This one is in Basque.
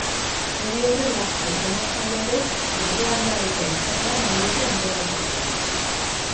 Hori horrela, aurtengo jaia ere gogoangarria izatea nahi dute antolatzaileek.